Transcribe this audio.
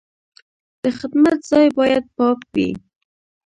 د خدمت ځای باید پاک وي.